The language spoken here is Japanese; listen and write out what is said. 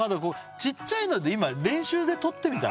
ちっちゃいので今練習でとってみたら？